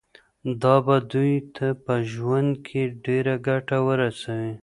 دا به دوی ته په ژوند کي ډیره ګټه ورسوي.